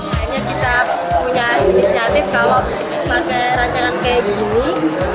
akhirnya kita punya inisiatif kalau pakai rancangan kayak gini